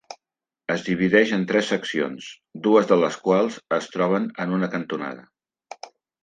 Es divideix en tres seccions, dues de les quals es troben en una cantonada.